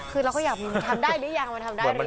คือเราก็อยากทำได้หรือยังมันทำได้หรือ